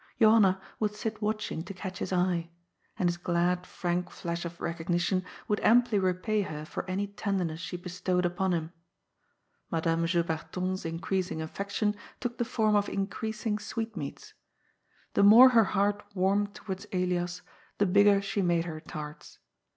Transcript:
Johanna would sit watching to catch his eye ; and his glad, frank fiash of recognition would amply repay her for any tender ness she bestowed upon him. Madame Juberton's increas ing affection took the form of increasing sweetmeats. The more her heart warmed towards Elias, the bigger she made her tarts.